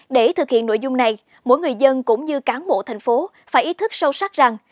để thực hiện nội dung này mỗi người dân cũng như cán bộ thành phố phải ý thức sâu sắc rằng